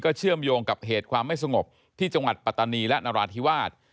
เชื่อมโยงกับเหตุความไม่สงบที่จังหวัดปัตตานีและนราธิวาส